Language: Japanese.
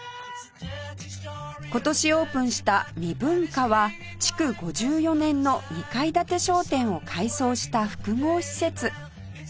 今年オープンした ｍｉｂｕｎｋａ は築５４年の２階建て商店を改装した複合施設